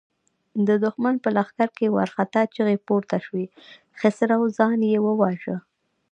د دښمن په لښکر کې وارخطا چيغې پورته شوې: خسرو خان يې وواژه!